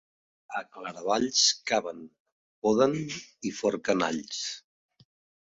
A Claravalls caven, poden i forquen alls.